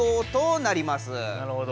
なるほど。